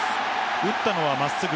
打ったのは真っすぐ。